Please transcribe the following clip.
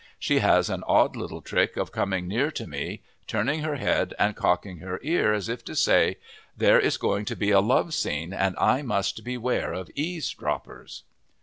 She has an odd little trick of coming nearly to me, turning her head and cocking her ear, as if to say: "There is going to be a love scene, and I must beware of eavesdroppers."